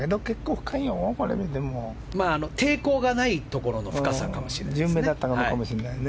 抵抗がないところの深さかもしれないですね。